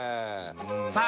さあ